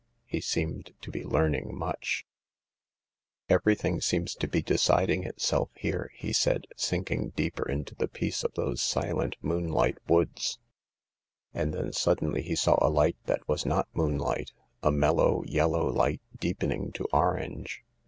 He seemed to be learning much. B 18 THE LARK "Everything seems to be deciding itself here," he said, sinking deeper into the peace of those silent, moonlit woods. And then suddenly he saw a light that was not moon light—a mellow, yellow light deepening to orange.